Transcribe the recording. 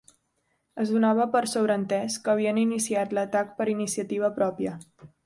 Es donava per sobreentès que havien iniciat l'atac per iniciativa pròpia